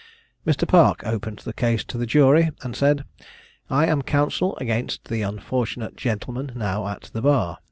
Mr. Park opened the case to the jury, and said, I am counsel against the unfortunate gentleman now at the bar.